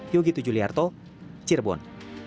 yogi tujuliarto cirebon